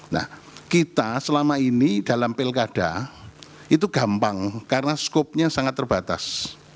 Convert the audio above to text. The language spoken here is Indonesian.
nah kita selama ini dalam pilkada itu gampang karena skopnya sangat terbatas